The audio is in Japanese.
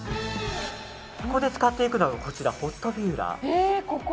ここで使っていくのがホットビューラー。